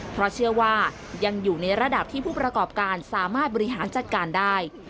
เพราะเชื่อว่ายังอยู่ในระดับที่ผู้ประกอบการสามารถบริหารจัดการได้